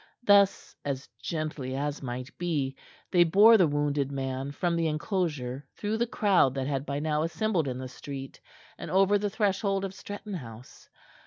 Thus, as gently as might be, they bore the wounded man from the enclosure, through the crowd that had by now assembled in the street, and over the threshold of Stretton House.